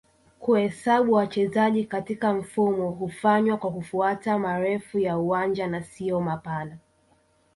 kuhesabu wachezaji katika mfumo hufanywa kwa kufuata marefu ya uwanja na sio mapana